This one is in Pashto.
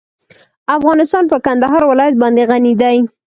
افغانستان په کندهار ولایت باندې غني دی.